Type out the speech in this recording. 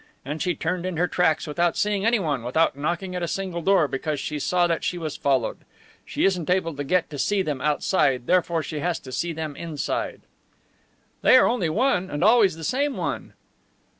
And she turned in her tracks without seeing anyone, without knocking at a single door, because she saw that she was followed. She isn't able to get to see them outside, therefore she has to see them inside." "They are only one, and always the same one."